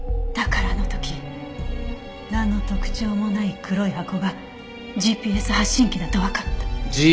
だからあの時なんの特徴もない黒い箱がＧＰＳ発信機だとわかった。